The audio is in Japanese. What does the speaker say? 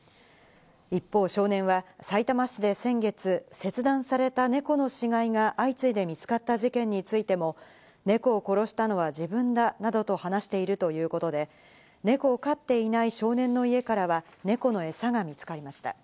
一方、少年はさいたま市で先月、切断された猫の死骸が相次いで見つかった事件についても猫を殺したのは自分だなどと話しているということで、猫を飼っていない少年の家からは猫のえさが見つかりました。